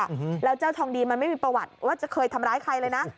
อืมแล้วเจ้าทองดีมันไม่มีประวัติว่าจะเคยทำร้ายใครเลยนะ